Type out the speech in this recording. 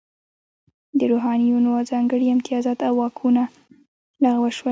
د روحانینو ځانګړي امتیازات او واکونه لغوه شول.